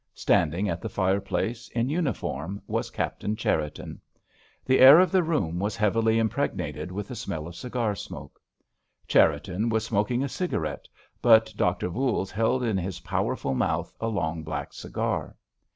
Standing at the fire place, in uniform, was Captain Cherriton. The air of the room was heavily impregnated with the smell of cigar smoke. Cherriton was smoking a cigarette, but Doctor Voules held in his powerful mouth a long, black cigar.